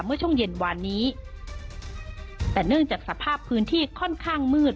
เมื่อช่วงเย็นวานนี้แต่เนื่องจากสภาพพื้นที่ค่อนข้างมืด